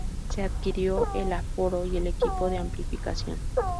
Se adquirió el aforo y el equipo de amplificación.